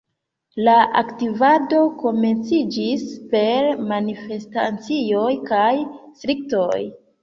La aktivado komenciĝis per manifestacioj kaj strikoj.